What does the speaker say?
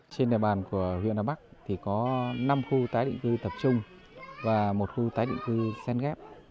trên địa bàn của huyện hà bắc thì có năm khu tái định cư tập trung và một khu tái định cư sen ghép